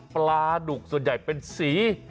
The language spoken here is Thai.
ปลาดุกส่วนใหญ่เป็นสี